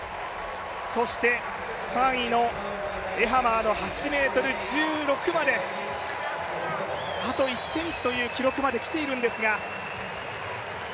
そして３位のエハマーの８ｍ１６まで、あと１ｃｍという記録まできているんですが。